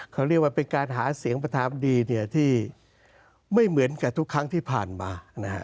เขาเรียกว่าเป็นการหาเสียงประธานบดีที่ไม่เหมือนกับทุกครั้งที่ผ่านมา